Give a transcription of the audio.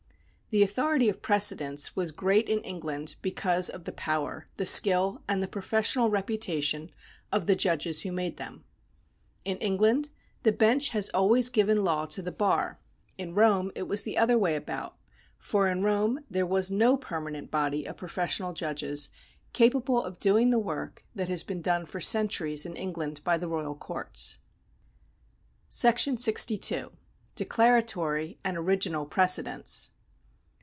The authority of precedents was great in England because of the power, the skill, and the professional reputation of the judges who made them. In England the bench has always given law to the bar ; in Rome it was the other way about, for in Rome there was no permanent body of professional judges capable of doing the work that has been done for centuries in England by the royal courts. § c,2. Declaratory and Original Precedents.